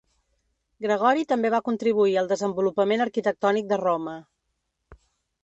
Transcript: Gregori també va contribuir al desenvolupament arquitectònic de Roma.